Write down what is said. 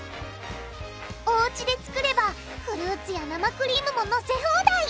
おうちで作ればフルーツや生クリームものせ放題！